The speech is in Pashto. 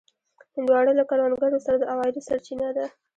هندوانه له کروندګرو سره د عوایدو سرچینه ده.